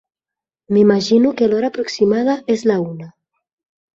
M'imagino que l'hora aproximada és la una.